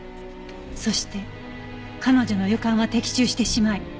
そして彼女の予感は的中してしまい。